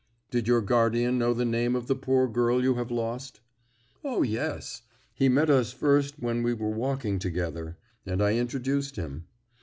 "Did your guardian know the name of the poor girl you have lost?" "O, yes. He met us first when we were walking together, and I introduced him.